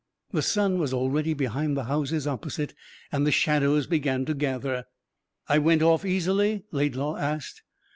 The sun was already behind the houses opposite, and the shadows began to gather. "I went off easily?" Laidlaw asked.